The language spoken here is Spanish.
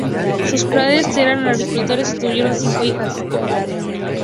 Sus padres eran agricultores y tuvieron cinco hijas.